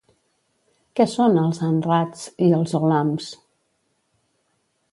Què són els Anradhs i els Ollamhs?